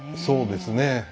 そうですね。